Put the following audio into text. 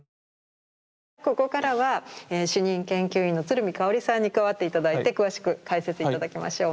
ここからは主任研究員の鶴見香織さんに加わって頂いて詳しく解説頂きましょう。